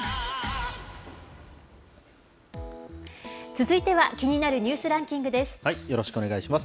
続いては気になるニュースランキングです。